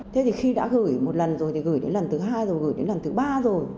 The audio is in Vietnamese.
thế thì khi đã gửi một lần rồi thì gửi đến lần thứ hai rồi gửi đến lần thứ ba rồi